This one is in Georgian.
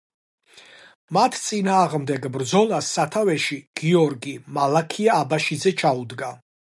მათ წინააღმდეგ ბრძოლას სათავეში გიორგი-მალაქია აბაშიძე ჩაუდგა.